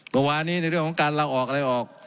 เมื่อวานนี้ในเรื่องของการลาออกอะไรออก